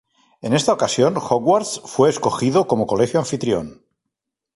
En esta ocasión, Hogwarts fue escogido como Colegio Anfitrión.